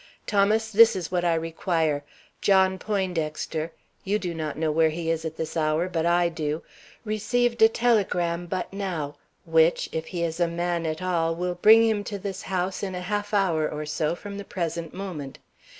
Thomas, this is what I require: John Poindexter you do not know where he is at this hour, but I do received a telegram but now, which, if he is a man at all, will bring him to this house in a half hour or so from the present moment.